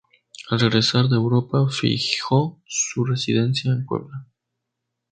Al regresar de Europa, fijó su residencia en Puebla.